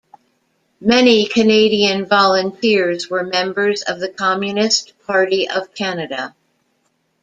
Many Canadian volunteers were members of the Communist Party of Canada.